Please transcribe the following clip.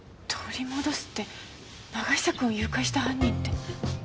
取り戻すって永久くんを誘拐した犯人って。